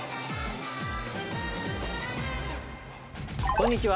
こんにちは